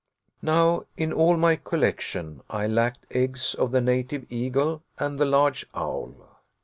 Now, in all my collection, I lacked eggs of the native eagle and the large owl.